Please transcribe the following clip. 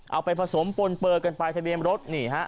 เอาไปผสมปนเปลือกันไปทะเบียนรถนี่ฮะ